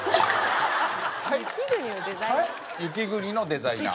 雪国のデザイナー？